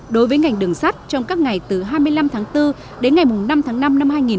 đối với ngành đường sắt trong các ngày từ hai mươi năm tháng bốn đến ngày năm tháng năm năm hai nghìn hai mươi